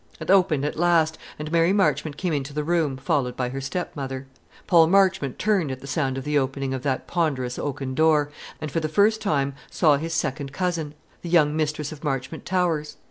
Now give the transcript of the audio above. It opened at last, and Mary Marchmont came into the room, followed by her stepmother. Paul Marchmont turned at the sound of the opening of that ponderous oaken door, and for the first time saw his second cousin, the young mistress of Marchmont Towers.